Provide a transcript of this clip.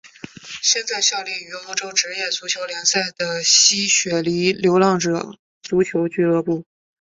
现在效力于澳洲职业足球联赛的西雪梨流浪者足球俱乐部。